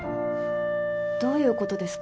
どういう事ですか？